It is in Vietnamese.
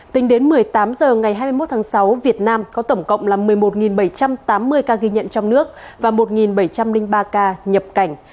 tính đến một mươi tám h ngày hai mươi một tháng sáu việt nam có tổng cộng là một mươi một bảy trăm tám mươi ca ghi nhận trong nước và một bảy trăm linh ba ca nhập cảnh